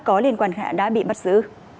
có liên quan hạn đã bị bắt giữ